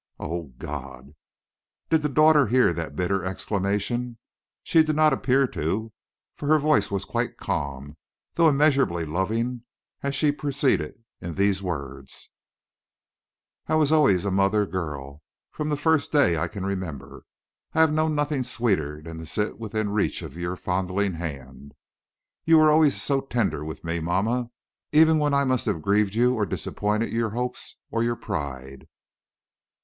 "Oh, God!" Did the daughter hear that bitter exclamation? She did not appear to; for her voice was quite calm, though immeasurably loving, as she proceeded in these words: "I was always a mother girl. From the first day I can remember, I have known nothing sweeter than to sit within reach of your fondling hand. You were always so tender with me, mamma, even when I must have grieved you or disappointed your hopes or your pride.